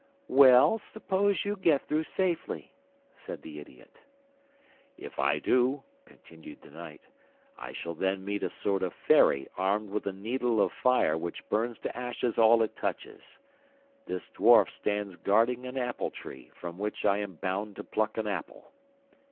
'Well, suppose you get through safely?' said the idiot. 'If I do,' continued the knight, 'I shall then meet a sort of fairy armed with a needle of fire which burns to ashes all it touches. This dwarf stands guarding an apple tree, from which I am bound to pluck an apple.